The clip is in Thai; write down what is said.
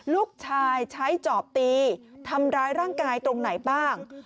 ลูกชายใช้จอบตีทำร้ายร่างกายตรงไหนบ้าง